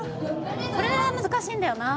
これから難しいんだよな。